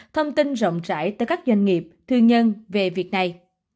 thông tin rộng rãi tới các doanh nghiệp thương nhân về việc này